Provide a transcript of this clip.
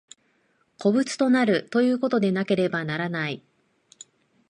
個物となるということでなければならない。